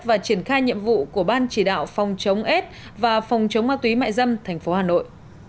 và triển khai nhiệm vụ của ban chỉ đạo phòng chống ết và phòng chống ma túy mại dâm thành phố hà nội